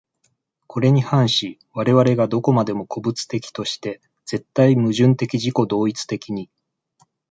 これに反し我々が何処までも個物的として、絶対矛盾的自己同一的に、